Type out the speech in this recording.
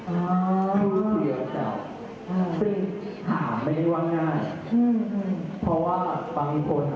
นะคุณก็เป็นตัวจริงไม่ใช่ว่าวันนี้มีใครมาอฟเวอร์นานอยู่